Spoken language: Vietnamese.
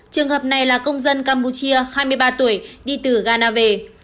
trường hợp này là công dân campuchia hai mươi ba tuổi đi từ ghana về